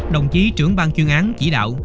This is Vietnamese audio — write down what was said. đồng chí trưởng ban chuyên án chỉ đạo